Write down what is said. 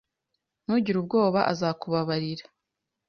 Ntugire ubwoba. azakubabarira.